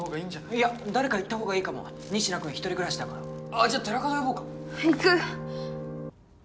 いや誰か行ったほうがいいかも仁科君一人暮らしだからあっじゃあ寺門呼ぼうか行く！